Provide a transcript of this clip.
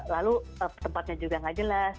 lalu tempatnya juga nggak jelas